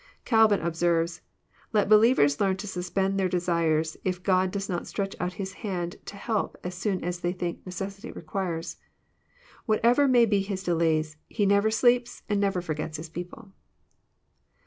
Calvin observes :" Let believers learn to saspend their desires, if God does not stretch oat His hand to help as soon as they think necessity requires. Whatever may be His delays, he never sleeps and never forgets His people.''